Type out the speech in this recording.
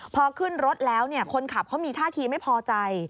พอขึ้นรถแล้วคนขับเขามีท่าทีไม่พอใจ